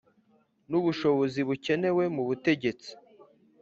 N ubushobozi bukenewe mu butegetsi